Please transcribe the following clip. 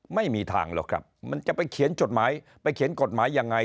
ไม่มีทางหรอกครับมันจะไปเขียนกฎหมายยังไง